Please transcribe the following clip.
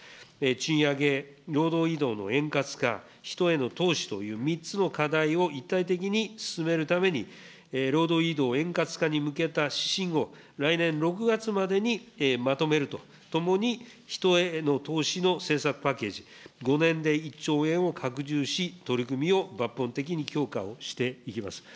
賃上げ、労働移動の円滑化、人への投資という３つの課題を一体的に進めるために、労働移動円滑化に向けた指針を来年６月までにまとめるとともに人への投資の政策パッケージ、５年で１兆円を拡充し、取り組みを抜本的に強化をしていきます。